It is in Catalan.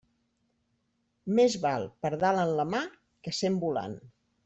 Més val pardal en la mà que cent volant.